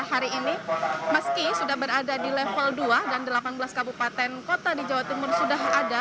hari ini meski sudah berada di level dua dan delapan belas kabupaten kota di jawa timur sudah ada